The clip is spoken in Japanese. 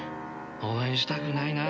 応援したくないな。